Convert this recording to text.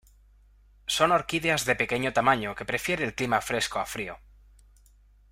Son orquídeas de pequeño tamaño que prefiere el clima fresco a frío.